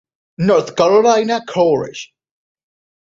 North Carolina Courage